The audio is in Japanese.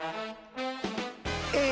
え